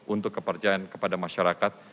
untuk kepercayaan kepada masyarakat